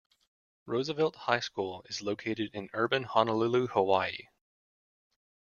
Roosevelt High School is located in urban Honolulu, Hawaii.